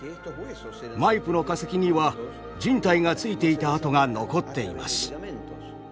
マイプの化石にはじん帯がついていた跡が残っています。